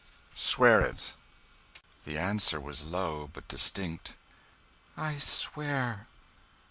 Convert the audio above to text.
"Swear it!" The answer was low, but distinct "I swear."